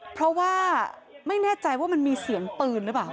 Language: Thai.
เพราะว่าไม่แน่ใจว่ามันมีเสียงปืนหรือเปล่า